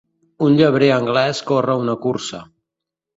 Un llebrer anglès corre una cursa.